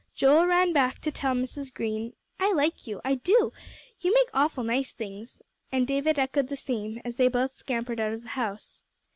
Joel ran back to tell Mrs. Green, "I like you, I do; you make awful nice things," and David echoed the same, as they both scampered out of the house.